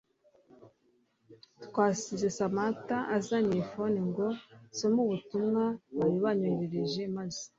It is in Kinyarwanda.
Twasize Samantha anzaniye phone ngo nsome ubutumwa bari banyohereje maze